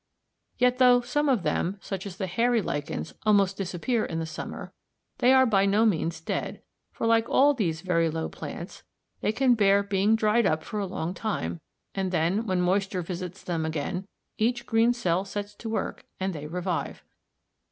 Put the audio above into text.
Yet though some of them, such as the hairy lichens, almost disappear in the summer, they are by no means dead, for, like all these very low plants, they can bear being dried up for a long time, and then, when moisture visits them again, each green cell sets to work, and they revive.